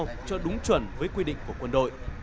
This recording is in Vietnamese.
gấp sao cho đúng chuẩn với quy định của quân đội